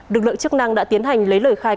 lực lượng chức năng đã tiến hành lấy lời khai